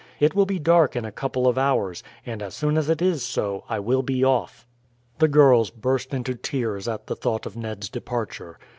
It will be dark in a couple of hours, and as soon as it is so I will be off." The girls burst into tears at the thought of Ned's departure.